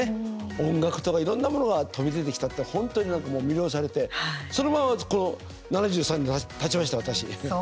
音楽とかいろんなものが飛び出てきたって本当になんか魅了されてそのままこの７３年たちました私。